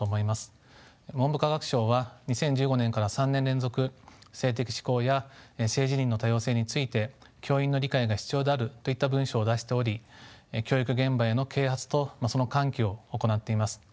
文部科学省は２０１５年から３年連続性的指向や性自認の多様性について教員の理解が必要であるといった文書を出しており教育現場への啓発とその喚起を行っています。